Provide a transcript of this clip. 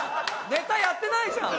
ネタやってないじゃん。